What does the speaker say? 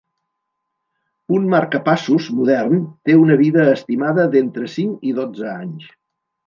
Un marcapassos modern té una vida estimada d'entre cinc i dotze anys.